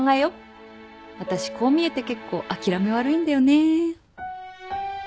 私こう見えて結構諦め悪いんだよね